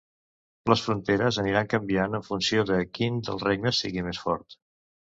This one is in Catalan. Les fronteres aniran canviant en funció de quin dels regnes sigui més fort.